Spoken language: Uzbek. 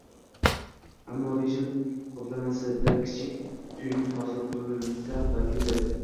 Ammo rejim qoplamasida kichik tuynuk hosil qilinsa va kimdir